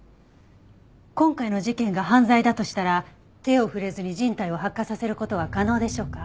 今回の事件が犯罪だとしたら手を触れずに人体を発火させる事は可能でしょうか？